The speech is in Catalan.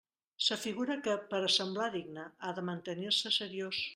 S'afigura que, per a semblar digne, ha de mantenir-se seriós.